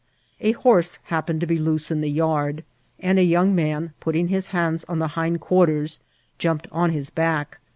A horse hap« pened to be loose in the yard, and a young man, putting his hands on the hind quarters, jumped on lus back.